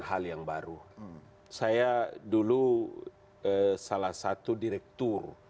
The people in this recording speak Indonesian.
hal yang baru saya dulu salah satu direktur